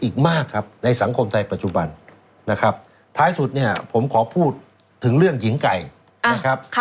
อีกมากครับในสังคมไทยปัจจุบันนะครับท้ายสุดเนี่ยผมขอพูดถึงเรื่องหญิงไก่นะครับ